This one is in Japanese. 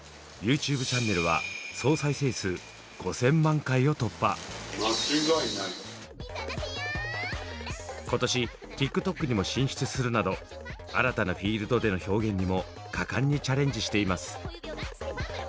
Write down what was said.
ＹｏｕＴｕｂｅチャンネルは今年ＴｉｋＴｏｋにも進出するなど新たなフィールドでの表現にも果敢にチャレンジしています。